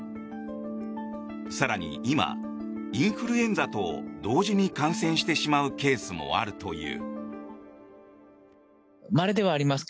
更に今、インフルエンザと同時に感染してしまうケースもあるという。